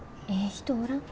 人おらん？